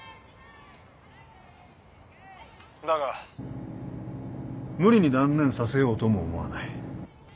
だが無理に断念させようとも思わない。